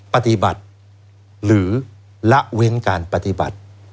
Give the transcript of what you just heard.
ปฏิบัติหรือละเว้นการปฏิบัติ